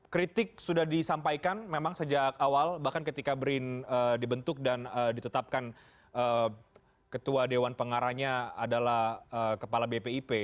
kritik sudah disampaikan memang sejak awal bahkan ketika brin dibentuk dan ditetapkan ketua dewan pengarahnya adalah kepala bpip